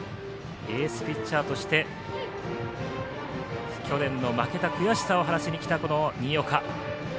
エースピッチャーとして去年の負けた悔しさを晴らしにきた新岡。